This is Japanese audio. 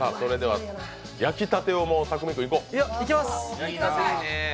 焼きたてをもう、匠海君いこっ。